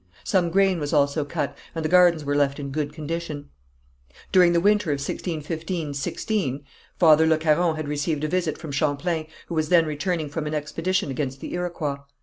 Some grain was also cut, and the gardens were left in good condition. During the winter of 1615 16, Father Le Caron had received a visit from Champlain, who was then returning from an expedition against the Iroquois.